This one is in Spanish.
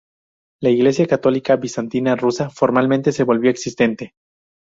La Iglesia católica bizantina rusa formalmente se volvió existente.